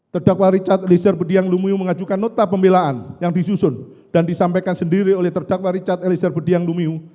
terdakwa richard elisir budiang lumiu mengajukan nota pembelaan yang disusun dan disampaikan sendiri oleh terdakwa richard eliezer budiang lumiu